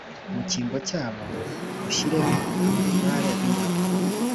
mu cyimbo cyabo ushyireho abatware b’ingabo,